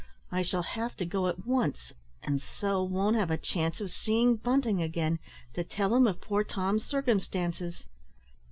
"I shall have to go at once, and so won't have a chance of seeing Bunting again, to tell him of poor Tom's circumstances.